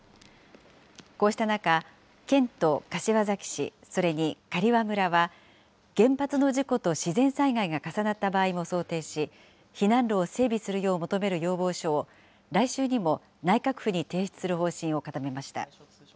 こうした中、県と柏崎市、それに刈羽村は、原発の事故と自然災害が重なった場合も想定し、避難路を整備するよう求める要望書を、来週にも内閣府に提出する方針を固めました。